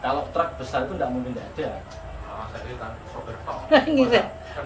kalau truk besar itu mungkin nggak ada